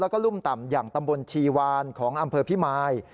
แล้วก็รุ่มต่ำอย่างตำบลชีวานของอำเภอพิมาย